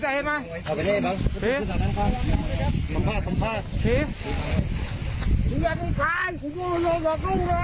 จำพัดพี่